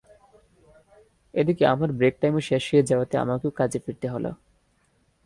এদিকে আমার ব্রেক টাইমও শেষ হয়ে যাওয়াতে আমাকেও কাজে ফিরতে হলো।